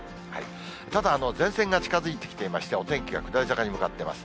ただ前線が近づいてきていまして、お天気が下り坂に向かってます。